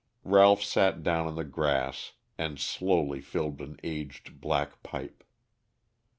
Ralph sat down on the grass and slowly filled an aged black pipe.